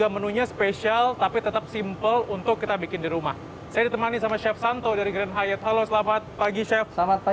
menu sarapan apa chef